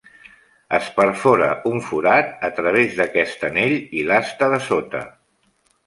Es perfora un forat a través d"aquest anell i l"asta de sota.